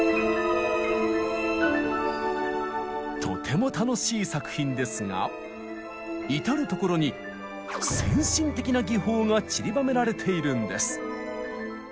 とても楽しい作品ですが至る所に先進的な技法がちりばめられているんです。